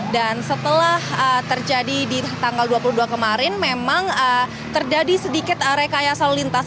dan setelah terjadi di tanggal dua puluh dua kemarin memang terjadi sedikit rekaya salur lintas